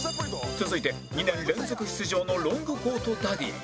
続いて２年連続出場のロングコートダディ